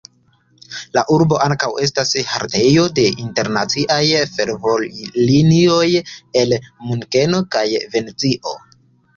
La urbo ankaŭ estas haltejo de internaciaj fervojlinioj el Munkeno kaj Venecio.